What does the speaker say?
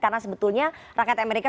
karena sebetulnya rakyat amerika